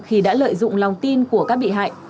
khi đã lợi dụng lòng tin của các bị hại